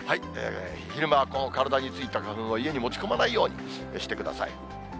昼間、体についた花粉を家に持ち込まないようにしてください。